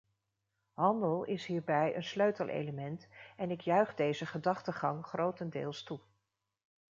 Handel is hierbij een sleutelelement en ik juich deze gedachtegang grotendeels toe.